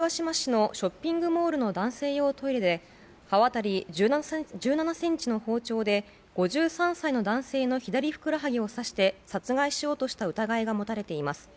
鶴ヶ島市のショッピングモールの男性用トイレで刃渡り１７ｃｍの包丁で５３歳の男性の左ふくらはぎを刺して殺害しようとした疑いが持たれています。